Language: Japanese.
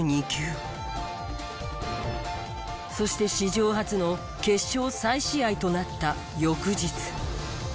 そして史上初の決勝再試合となった翌日。